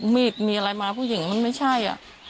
มีดมีอะไรมาผู้หญิงมันไม่ใช่